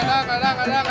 kelapa kelapa kelapa